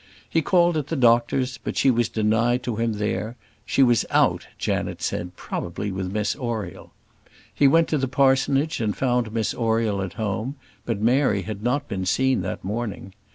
He called at the doctor's, but she was denied to him there; "she was out," Janet said, "probably with Miss Oriel." He went to the parsonage and found Miss Oriel at home; but Mary had not been seen that morning.